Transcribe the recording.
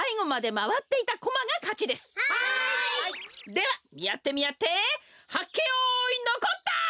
ではみあってみあってはっけよいのこった！